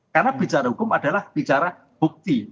karena bicara hukum adalah bicara bukti